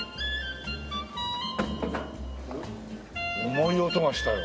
重い音がしたよ。